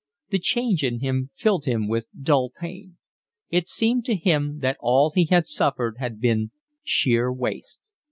The change in him filled him with dull pain. It seemed to him that all he had suffered had been sheer waste.